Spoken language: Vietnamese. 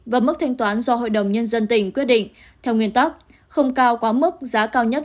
và mức thanh toán do hội đồng nhân dân tỉnh quyết định theo nguyên tắc không cao quá mức giá cao nhất